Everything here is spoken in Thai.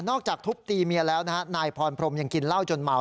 จากทุบตีเมียแล้วนะฮะนายพรพรมยังกินเหล้าจนเมา